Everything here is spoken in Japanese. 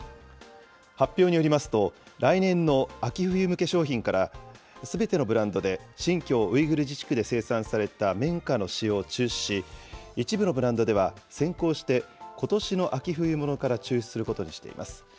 発表によりますと、来年の秋冬向け商品から、すべてのブランドで、新疆ウイグル自治区で生産された綿花の使用を中止し、一部のブランドでは、先行して、ことしの秋冬物から中止することにしています。